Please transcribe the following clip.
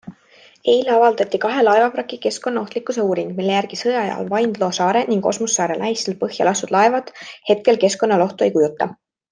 Eile avaldati kahe laevavraki keskkonnaohtlikkuse uuring, mille järgi sõja ajal Vaindloo saare ning Osmussaare lähistel põhja lastud laevad hetkel keskkonnale ohtu ei kujuta.